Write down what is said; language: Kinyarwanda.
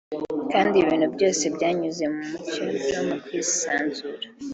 kandi ibintu byose byanyuze mu mucyo no mu bwisanzure